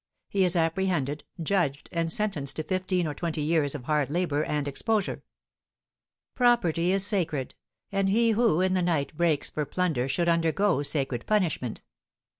He is apprehended, judged, and sentenced to fifteen or twenty years of hard labour and exposure. Property is sacred, and he who, in the night, breaks for plunder should undergo sacred punishment.